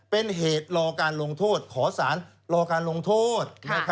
เป็นเหตุรอการลงโทษขอสารรอการลงโทษ